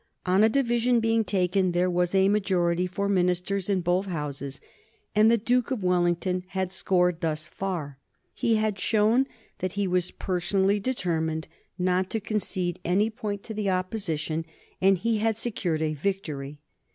On a division being taken there was a majority for Ministers in both Houses, and the Duke of Wellington had scored thus far. He had shown that he was personally determined not to concede any point to the Opposition, and he had secured a victory.